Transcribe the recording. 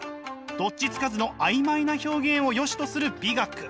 どっちつかずの曖昧な表現をよしとする美学。